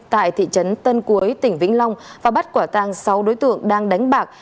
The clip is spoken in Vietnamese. tại thị trấn tân cuối tỉnh vĩnh long và bắt quả tang sáu đối tượng đang đánh bạc